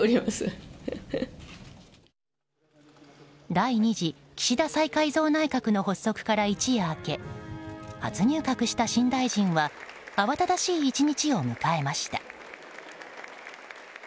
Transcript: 第２次岸田再改造内閣の発足から一夜明け初入閣した新大臣は慌ただしい１日を迎えました。